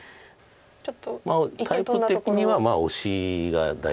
タイプ的にはオシが第１候補。